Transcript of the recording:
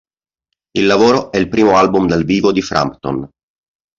Il lavoro è il primo album dal vivo di Frampton.